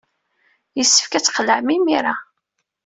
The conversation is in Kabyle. Yessefk ad tqelɛem imir-a.